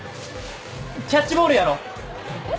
キャッチボールやろう！え？